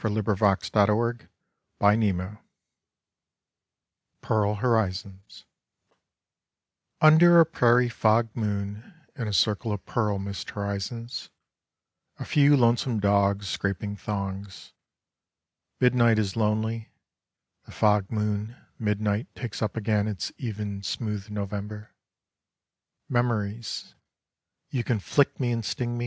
Slabs of the Sunburnt West 49 PEARL HORIZONS Under a prairie fog moon in a circle of pearl mist horizons, a few lonesome dogs scraping thongs, midnight is lonely; the fog moon midnight takes up again its even smooth November. Memories: you can flick me and sting me.